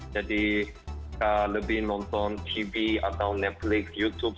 jadi lebih nonton tv atau netflix youtube